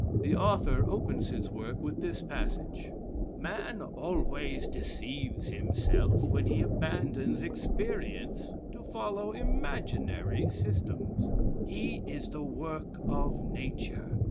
The author opens his work with this passage: "Man always deceives himself when he abandons experience to follow imaginary systems. He is the work of nature.